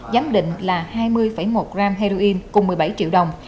giám định là hai mươi một gram heroin cùng một mươi bảy triệu đồng